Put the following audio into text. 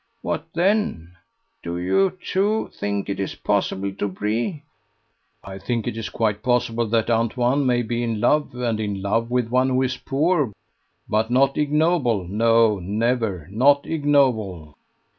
"What then! Do you, too, think it is possible, Dobree?" "I think it is quite possible that Antoine may be in love, and in love with one who is poor, but not ignoble no, never not ignoble."